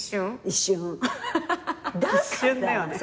一瞬だよね。